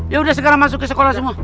yaudah sekarang masuk ke sekolah semua